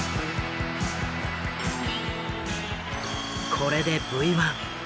これでＶ１。